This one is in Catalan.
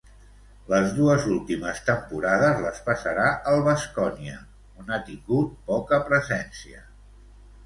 Les dues últimes temporades les passarà al Baskonia, on ha tingut poca presència.